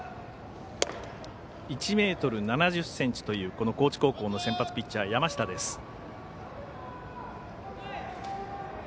１ｍ７０ｃｍという、高知高校の先発ピッチャーの山下です。